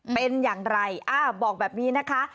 เป็นอย่างไรบอกแบบนี้นะคะ